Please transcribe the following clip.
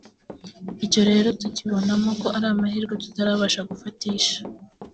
Icyo rero tukibonamo ko ari amahirwe tutarabasha gufatisha